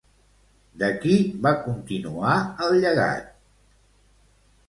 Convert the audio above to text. De qui va continuar el llegat?